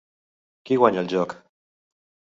Qui guanya el joc?